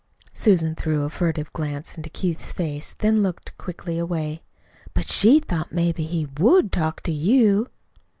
(Susan threw a furtive glance into Keith's face, then looked quickly away.) "But she thought maybe he WOULD talk to you."